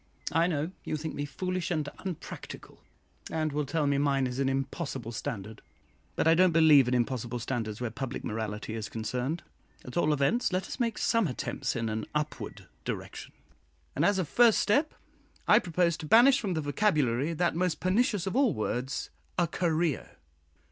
I know you think me foolish and unpractical, and will tell me mine is an impossible standard; but I don't believe in impossible standards where public morality is concerned. At all events, let us make some attempt in an upward direction; and as a first step I propose to banish from the vocabulary that most pernicious of all words, 'A Career.'"